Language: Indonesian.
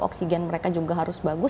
oksigen mereka juga harus bagus